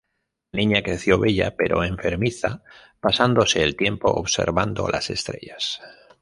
La niña creció bella pero enfermiza pasándose el tiempo observando las estrellas.